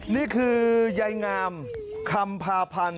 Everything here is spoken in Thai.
นี่คือยายงามคำพาพันธ์